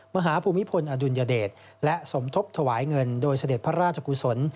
ภูมิพลอดุลยเดชและสมทบถวายเงินโดยเสด็จพระราชกุศล